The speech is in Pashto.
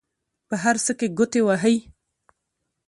په هر څه کې ګوتې وهي.